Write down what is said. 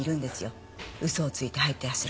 嘘をついて入ってらっしゃる方が。